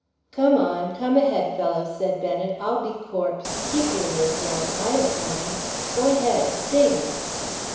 "Come on, come ahead, fellows," said Bennet; "I'll be corpse. Keep your lids on. I don't mind. Go ahead, sing."